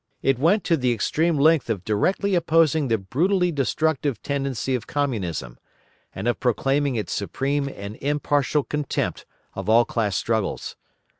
It went to the extreme length of directly opposing the "brutally destructive" tendency of Communism, and of proclaiming its supreme and impartial contempt of all class struggles.